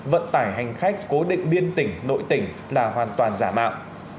vận tải hành khách cố định biên tỉnh nội tỉnh là hoàn toàn giả mạo